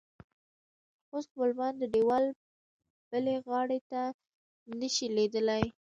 اوس خپلوان د دیوال بلې غاړې ته نه شي لیدلی.